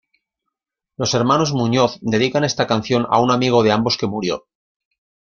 Los hermanos Muñoz dedican esta canción a un amigo de ambos que murió.